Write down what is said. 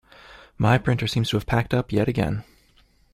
My printer seems to have packed up yet again.